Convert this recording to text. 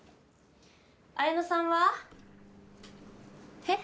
綾乃さんは？えっ？